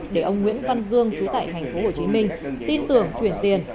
để ông nguyễn văn dương trú tại thành phố hồ chí minh tin tưởng chuyển tiền